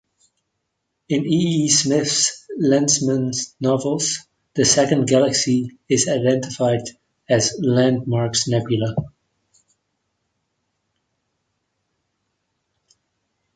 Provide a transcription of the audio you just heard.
In E. E. Smith's "Lensman" novels, the "Second Galaxy" is identified as "Lundmark's Nebula".